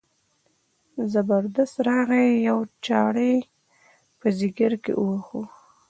زبردست راغی یوه چاړه یې په ځګر کې وواهه.